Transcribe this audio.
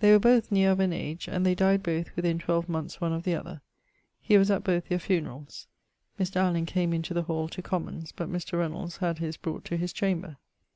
They were both neer of an age, and they dyed both within 12 monethes one of th'other[C]. He was at both their funeralls. Mr. Allen came into the hall to commons, but Mr. Reynolds had his brought to his chamber.